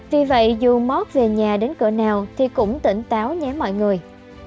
vì vậy dù mót về nhà đến cửa nào thì cũng tỉnh táo nhé mọi người